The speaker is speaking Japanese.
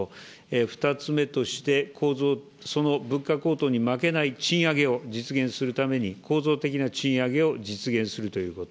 ２つ目として構造、その物価高騰に負けない賃上げを実現するために、構造的な賃上げを実現するということ。